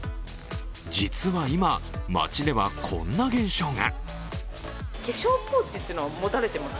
実は今、街ではこんな現象が。